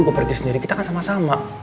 gua pergi sendiri kita kan sama sama